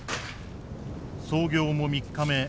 操業も３日目。